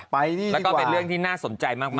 แล้วก็เป็นเรื่องที่น่าสนใจมาก